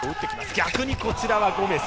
逆にこちらはゴメス。